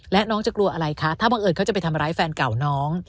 และน้องจะกลัวอะไรคะถ้าบังเอิญเขาจะไปทำร้ายแฟนเก่าน้อง